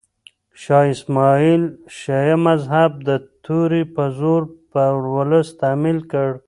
شاه اسماعیل شیعه مذهب د تورې په زور پر ولس تحمیل کړ.